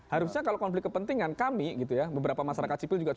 harusnya kalau konflik kepentingan kami gitu ya beberapa masyarakat sipil juga